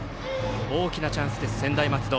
大きなチャンスです、専大松戸。